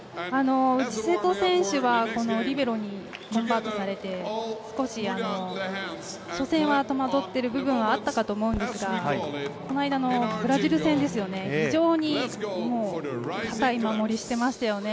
内瀬戸選手は、このリベロにコンバートされて、少し、初戦は戸惑ってる部分はあったと思うんですがこの間のブラジル戦、非常に堅い守りをしていましたね